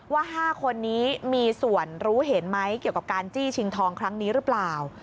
ว่า๕คนนี้มีส่วนรู้เห็นไหมเกี่ยวกับการจี้ชิงทองครั้งนี้หรือเปล่า